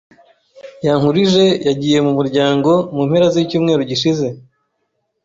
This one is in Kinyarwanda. Yankurije yagiye mu muryango mu mpera zicyumweru gishize.